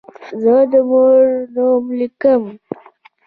زه د مور نوم لیکم.